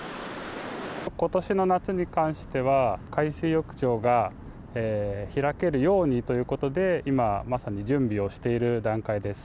ことしの夏に関しては、海水浴場が開けるようにということで、今、まさに準備をしている段階です。